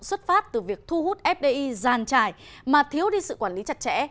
xuất phát từ việc thu hút fdi giàn trải mà thiếu đi sự quản lý chặt chẽ